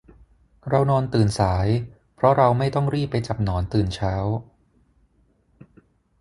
เรานอนตื่นสาย เพราะเราไม่ต้องรีบไปจับหนอนตื่นเช้า